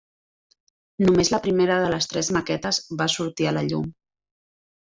Només la primera de les tres maquetes va sortir a la llum.